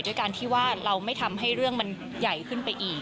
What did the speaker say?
ด้วยการที่ว่าเราไม่ทำให้เรื่องมันใหญ่ขึ้นไปอีก